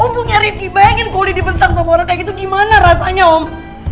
hubungnya rifki bayangin kulit dibentang sama orang kayak gitu gimana rasanya om